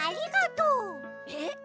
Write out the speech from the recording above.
えっ？